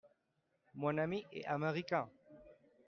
Mon ami est américain.